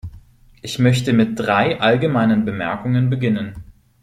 Ich möchte mit drei allgemeinen Bemerkungen beginnen.